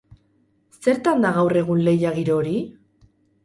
Zertan da gaur egun lehia giro hori?